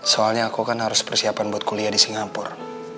soalnya aku kan harus persiapan buat kuliah di singapura